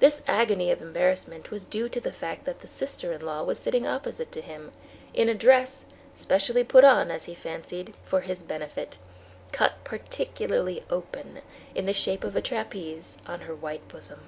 This agony of embarrassment was due to the fact that the sister in law was sitting opposite to him, in a dress, specially put on, as he fancied, for his benefit, cut particularly open, in the shape of a trapeze, on her white bosom.